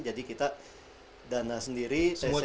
jadi kita dana sendiri